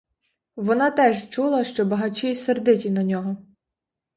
Вона теж чула, що багачі сердиті на нього.